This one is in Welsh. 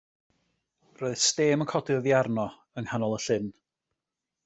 Roedd stêm yn codi oddi arno, yng nghanol y llyn.